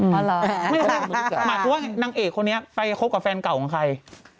หมายถึงว่านางเอกคนนี้ไปคบกับแฟนเก่าของใคร